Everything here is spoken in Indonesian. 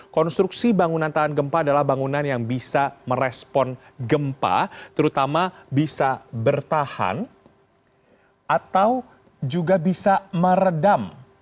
konstruksi bangunan tahan gempa adalah bangunan yang bisa merespon gempa terutama bisa bertahan atau juga bisa meredam